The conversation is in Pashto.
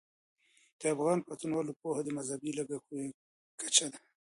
د افغان پاڅونوالو پوهه د مذهبي لږکیو کچه وه.